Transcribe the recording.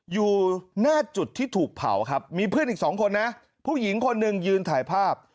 อยู่หน้าจุดที่ถูกเผาครับมีเพื่อนอีกสองคนนะผู้หญิงคนหนึ่งยืนถ่ายภาพ